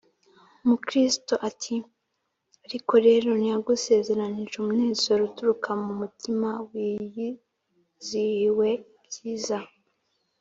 Mukristo ati: Ariko rero ntiyagusezeranije umunezero uturuka mu mutima wiyizihiwe ibyiza